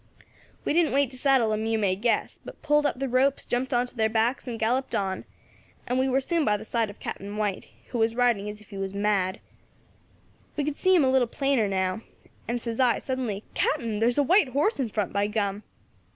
We didn't wait to saddle them, you may guess, but pulled up the ropes, jumped on to their backs, and galloped on; and we war soon by the side of Captain White, who was riding as if he was mad. We could see them a little plainer now, and says I, suddenly, 'Captain, there is a white horse in front, by gum!'